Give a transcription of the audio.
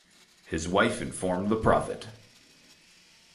His wife informed the prophet.